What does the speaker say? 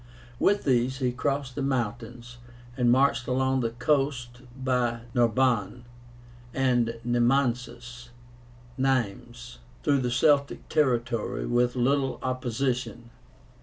With these he crossed the mountains, and marched along the coast by Narbo (Narbonne) and Nemansus (Nîmes), through the Celtic territory, with little opposition.